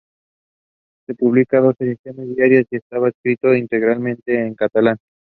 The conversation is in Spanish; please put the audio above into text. Se publicaban dos ediciones diarias y estaba escrito íntegramente en catalán.